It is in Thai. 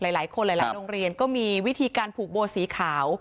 หลายคนหลายโรงเรียนก็มีวิธีการผูกโบสีขาว